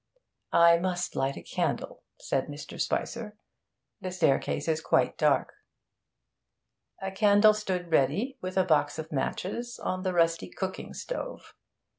'I must light a candle,' said Mr. Spicer. 'The staircase is quite dark.' A candle stood ready, with a box of matches, on the rusty cooking stove.